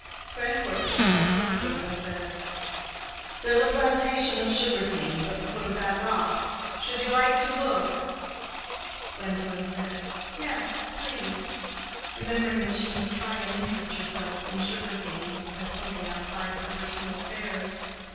Grandcourt put up his telescope and said, "There's a plantation of sugar canes at the foot of that rock; should you like to look?" Gwendolen said, "Yes, please," remembering that she must try and interest herself in sugar canes as something outside her personal affairs.